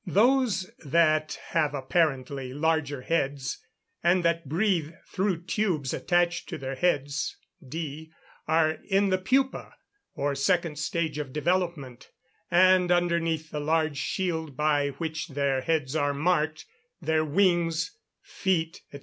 _ Those that have apparently larger heads, and that breathe through tubes attached to their heads (d) are in the pupa, or second stage of development, and underneath the large shield by which their heads are marked, their wings, feet, &c.